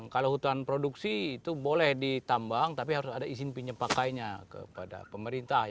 kalau hutan produksi itu boleh ditambang tapi harus ada izin pinjam pakainya kepada pemerintah